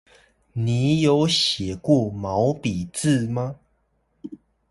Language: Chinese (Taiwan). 你有寫過毛筆字嗎？